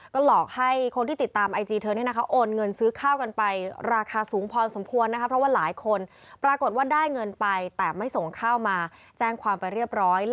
ก็หลอกให้คนที่ติดตามไอจีเธอโอนเงินซื้อข้าวกันไป